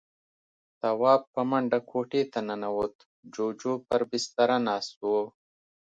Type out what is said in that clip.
تواب په منډه کوټې ته ننوت. جُوجُو پر بستره ناست و.